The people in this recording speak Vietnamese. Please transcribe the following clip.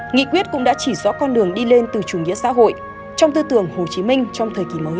nghị quyết cũng đã chỉ rõ con đường đi lên từ chủ nghĩa xã hội trong tư tưởng hồ chí minh trong thời kỳ mới